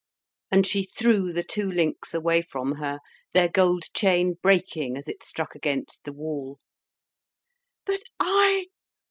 And she threw the two links away from her, their gold chain breaking as it struck against the wall. "But I!